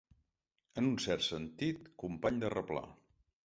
En un cert sentit, company de replà.